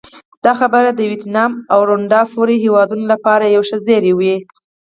دا خبره د ویتنام او روندا پورې هېوادونو لپاره یو ښه زېری وي.